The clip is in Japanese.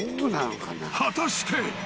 ［果たして］